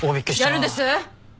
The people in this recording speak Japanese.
やるんです！？